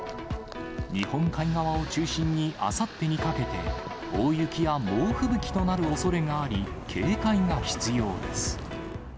日本海側を中心にあさってにかけて、大雪や猛吹雪となるおそれがあり、警戒が必要です。